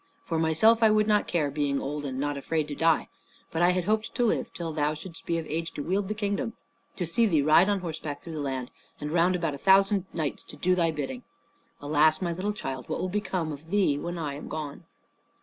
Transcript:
For myself I would not care, being old and not afraid to die. But I had hoped to live till thou shouldst be of age to wield the kingdom; to see thee ride on horseback through the land, and round about a thousand knights to do thy bidding. Alas, my little child, what will become of thee when I am gone?"